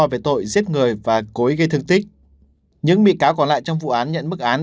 về tội giết người và cố ý gây thương tích những bị cáo còn lại trong vụ án nhận mức án